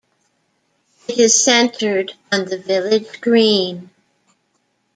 It is centered on the village green.